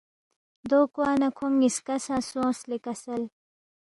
دو کوا نہ کھونگ نِ٘یسکا سہ سونگس لے کسل